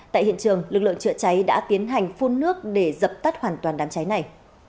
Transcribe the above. tại hiện trường lực lượng chữa cháy đã tiến hành phun nước để dập tắt hoàn toàn đám cháy này